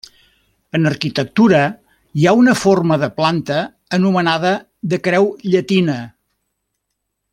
En arquitectura hi ha una forma de planta anomenada de creu llatina.